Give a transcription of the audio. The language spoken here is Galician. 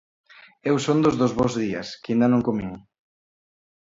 Eu son dos dos bos días, que aínda non comín.